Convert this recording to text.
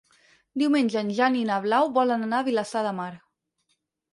Diumenge en Jan i na Blau volen anar a Vilassar de Mar.